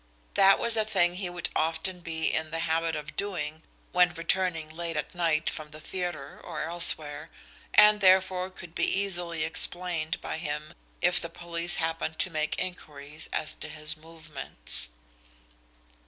That was a thing he would often be in the habit of doing when returning late at night from the theatre or elsewhere, and therefore could be easily explained by him if the police happened to make inquiries as to his movements.